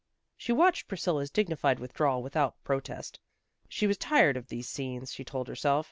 She watched Priscilla's dig nified withdrawal without protest. She was tired of these scenes, she told herself.